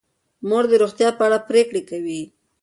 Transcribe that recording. مور د روغتیا په اړه پریکړې کوي.